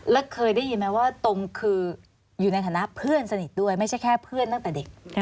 แล้วเคยได้ยินไหมว่าตรงคืออยู่ในฐานะเพื่อนสนิทด้วยไม่ใช่แค่เพื่อนตั้งแต่เด็ก